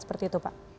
seperti itu pak